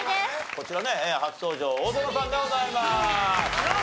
こちらね初登場大園さんでございます！